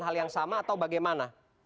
hal yang sama atau bagaimana